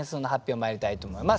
まいりたいと思います。